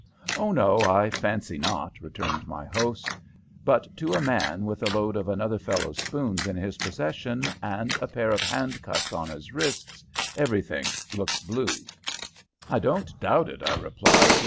"Oh no; I fancy not," returned my host. "But to a man with a load of another fellow's spoons in his possession, and a pair of handcuffs on his wrists, everything looks blue." "I don't doubt it," I replied.